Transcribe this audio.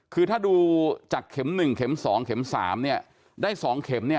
คือถ้าดูจากเข็ม๑เข็ม๒เข็ม๓เนี่ยได้๒เข็มเนี่ย